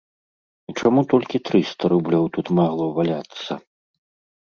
І чаму толькі трыста рублёў тут магло валяцца?